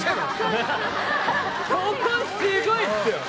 ここすごいっすよ！